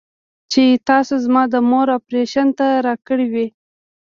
چې تاسو زما د مور اپرېشن ته راكړې وې.